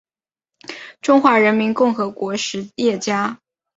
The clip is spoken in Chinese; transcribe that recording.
中华人民共和国实业家。